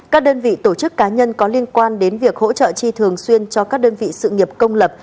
các đơn vị tổ chức cá nhân có liên quan đến việc hỗ trợ chi thường xuyên cho các đơn vị sự nghiệp công lập